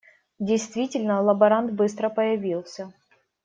Действительно лаборант быстро появился.